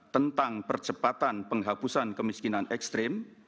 tentang percepatan penghapusan kemiskinan ekstrim